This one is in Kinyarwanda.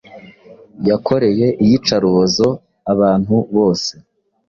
yakoreye iyicarubozo abantu bose